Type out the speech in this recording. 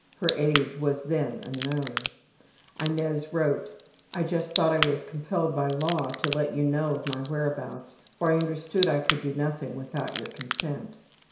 (Her age was then unknown.) Inez wrote, ``I just thought I was compelled by law to let you know of my whereabouts, for I understood I could do nothing without your consent.''